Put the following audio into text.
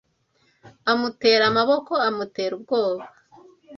Amutera amaboko amutera ubwoba.